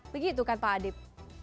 begitu kan pak adip